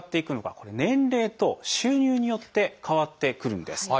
これ年齢と収入によって変わってくるんです。